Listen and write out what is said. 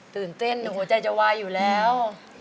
ตื่นเต้นหัวใจจะวายอยู่แล้ว